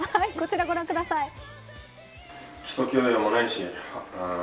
こちらご覧ください。